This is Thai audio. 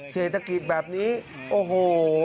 เศรษฐกิจแบบนี้โอ้โห